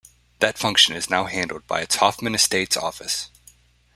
That function is now handled by its Hoffman Estates office.